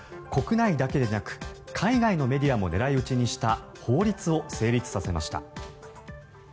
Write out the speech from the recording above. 国内だけでなく海外のメディアも狙い撃ちにした法律を成立させました。